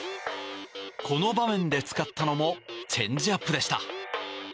この場面で使ったのもチェンジアップでした。